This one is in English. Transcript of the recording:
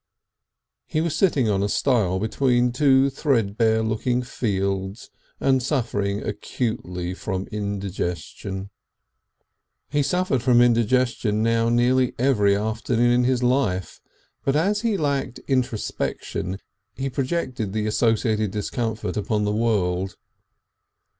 He was sitting on a stile between two threadbare looking fields, and suffering acutely from indigestion. He suffered from indigestion now nearly every afternoon in his life, but as he lacked introspection he projected the associated discomfort upon the world.